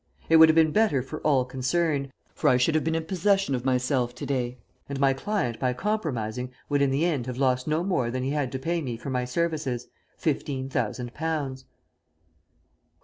It would have been better for all concerned, for I should have been in possession of myself to day, and my client by compromising would in the end have lost no more than he had to pay me for my services fifteen thousand pounds."